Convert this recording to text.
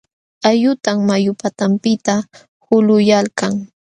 Ayutam mayu patanpiqta hulquyalkan.